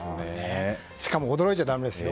しかも驚いちゃだめですよ。